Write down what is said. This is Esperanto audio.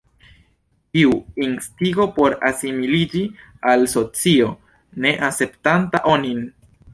Kiu instigo por asimiliĝi al socio ne akceptanta onin?